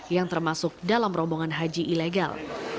yang termasuk dalam rombongan haji ilegal